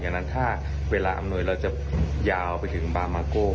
อย่างนั้นถ้าเวลาอำนวยเราจะยาวไปถึงบามาโก้